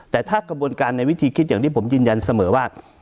แต่ถ้ากระบวนการในวิธีคิดอย่างที่ผมยืนยันเสมอว่า